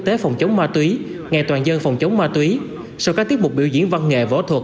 tế phòng chống ma túy ngày toàn dân phòng chống ma túy sau các tiết mục biểu diễn văn nghệ võ thuật